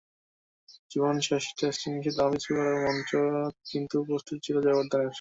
জীবনের শেষ টেস্ট ইনিংসে দারুণ কিছু করার মঞ্চ কিন্তু প্রস্তুতই ছিল জয়াবর্ধনের।